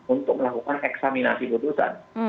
untuk melakukan eksaminasi putusan